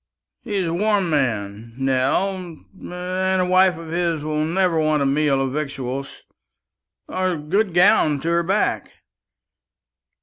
He's a warm man, Nell, and a wife of his will never want a meal of victuals or a good gown to her back.